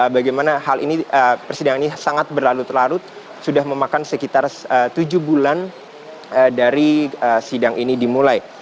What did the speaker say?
bagaimana hal ini persidangan ini sangat berlarut larut sudah memakan sekitar tujuh bulan dari sidang ini dimulai